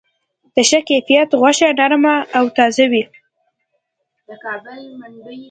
د ښه کیفیت غوښه نرم او تازه وي.